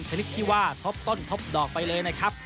ชนิดที่ว่าทบต้นทบดอกไปเลยนะครับ